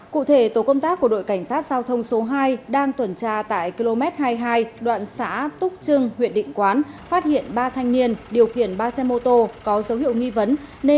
cụ thể tổ công tác của đội cảnh sát giao thông số hai đang tuần tra tại km hai mươi hai đoạn xã túc trưng huyện định quán phát hiện ba thanh niên điều khiển ba xe mô tô có dấu hiệu nghi vấn